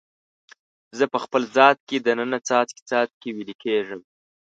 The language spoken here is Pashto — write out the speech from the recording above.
زه په خپل ذات کې د ننه څاڅکي، څاڅکي ویلي کیږم